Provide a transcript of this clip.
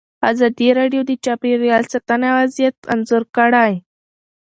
ازادي راډیو د چاپیریال ساتنه وضعیت انځور کړی.